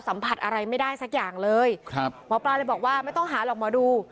สัมผัสอะไรไม่ได้สักอย่างเลยครับหมอปลาเลยบอกว่าไม่ต้องหาหรอกหมอดู